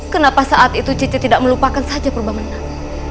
kenapa saat itu caca tidak melupakan saja purba menang